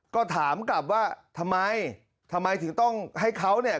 ก็ถามกลับว่าทำไมทำไมถึงต้องให้เขาเนี่ย